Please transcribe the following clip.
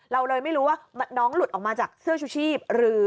เราเลยไม่รู้ว่าน้องหลุดออกมาจากเสื้อชูชีพหรือ